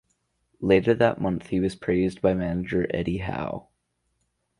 Later that month he was praised by manager Eddie Howe.